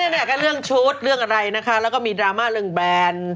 ก็นี่แหละแหละเรื่องชุดเรื่องอะไรนะคะแล้วก็มีดราม่าเรื่องแบรนด์